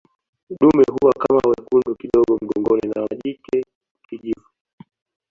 Dume huwa kama wekundu kidogo mgongoni na majike kijivu